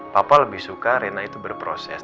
papa lebih suka rena itu berproses